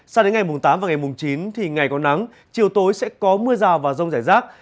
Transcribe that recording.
sau đến ngày tám và ngày chín thì ngày có nắng chiều tối sẽ có mưa rào và rông giải rác